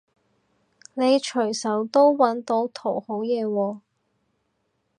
你隨手都搵到圖好嘢喎